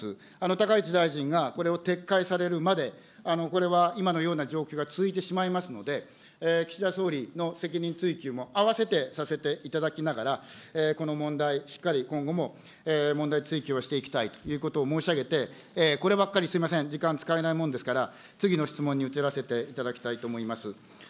高市大臣がこれを撤回されるまでこれは今のような状況が続いてしまいますので、岸田総理の責任追及も併せてさせていただきながら、この問題、しっかり今後も問題追及をしていきたいということを申し上げて、こればっかり、すみません、時間使えないもんですから、次の質問に移らせていただきたいと思います。